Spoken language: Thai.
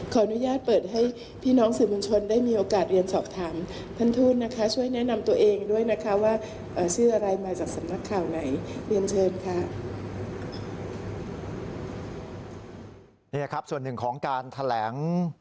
ขออนุญาตเปิดให้พี่น้องสื่อมุญชนได้มีโอกาสเรียนสอบถามพันธุ้นนะคะช่วยแนะนำตัวเองด้วยนะคะว่าชื่ออะไรมาจากสำนักข่าวไหนเรียนเชิญค่ะ